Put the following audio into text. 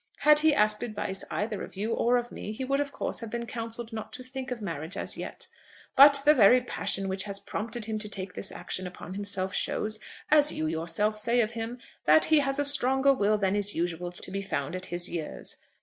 Had he asked advice either of you or of me he would of course have been counselled not to think of marriage as yet. But the very passion which has prompted him to take this action upon himself shows, as you yourself say of him, that he has a stronger will than is usual to be found at his years.